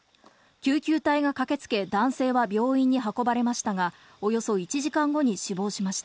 救急隊が駆けつけ男性は病院に運ばれましたが、およそ１時間後に死亡しました。